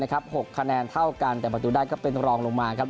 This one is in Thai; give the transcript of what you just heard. ๖คะแนนเท่ากันแต่ประตูได้ก็เป็นรองลงมาครับ